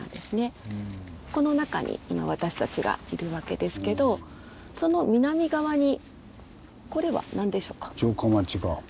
この中に今私たちがいるわけですけどその南側にこれは何でしょうか？